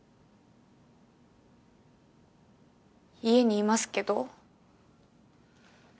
家にいますけど。